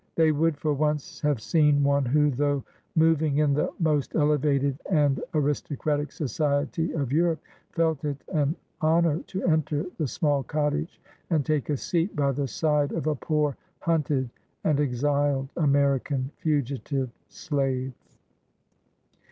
They would for once have seen one who, though moving in the most elevated and aristocratic society of Europe, felt it an honor to enter the small cottage, and take a seat by the side of a poor hunted and exiled American fugitive slave.